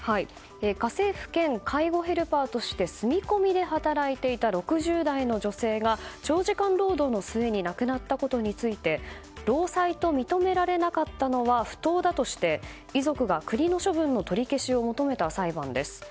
家政婦兼介護ヘルパーとして住み込みで働いていた６０代の女性が長時間労働の末に亡くなったことについて労災と認められなかったのは不当だとして遺族が、国の処分の取り消しを求めた裁判です。